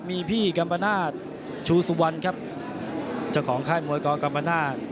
มีพี่กำปะนาทครับเจ้าข้านมวยกองกำปะนาท